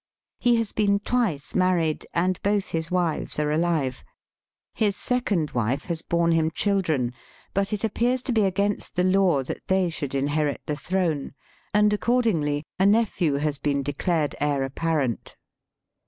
He has been twice married, and both his wives are alive. His second wife has borne him children, but it appears to be against the law that they should inherit the throne, and Digitized by VjOOQIC 128 EAST BY WEST accordingly a nephew has been declared heir apparent.